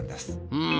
うん。